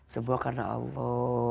semua karena allah